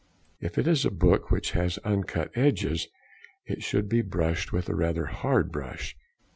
If it is a book which has uncut edges it should be brushed with rather a hard brush.